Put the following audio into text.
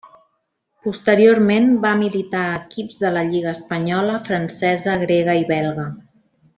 Posteriorment va militar a equips de la lliga espanyola, francesa, grega i belga.